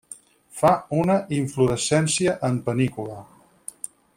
Fa una inflorescència en panícula.